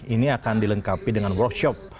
ini akan dilengkapi dengan workshop